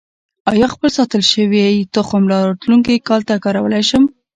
آیا خپل ساتل شوی تخم راتلونکي کال ته کارولی شم؟